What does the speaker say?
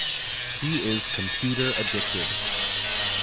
He is computer addicted.